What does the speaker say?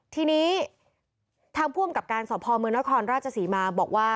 ทีนี้ทางภูมิกับการสภอมือนะครราชสีมาบอกว่า